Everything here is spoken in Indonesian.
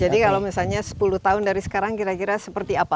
jadi kalau misalnya sepuluh tahun dari sekarang kira kira seperti apa